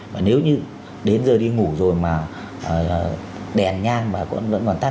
và nếu như đến giờ đi ngủ rồi mà đèn nhang mà vẫn còn tắt